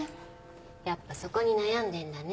やっぱそこに悩んでんだね。